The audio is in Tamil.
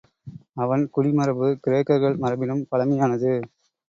அவன் குடிமரபு கிரேக்கர்கள் மரபினும் பழமையானது.